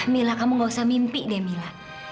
mila kamu gak usah mimpi deh mila